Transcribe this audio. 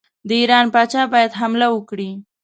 د ایران پاچا باید حمله وکړي.